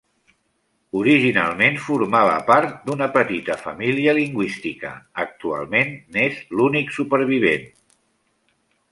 Originalment formava part d'una petita família lingüística, actualment n'és l'únic supervivent.